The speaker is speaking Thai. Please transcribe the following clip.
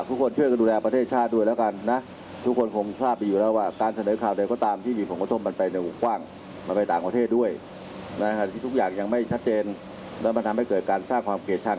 ข่าวที่ว่าจะให้หนุนให้นายกเป็นนายกของคุณ